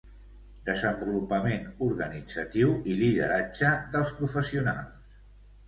Desenvolupament organitzatiu i lideratge dels professionals.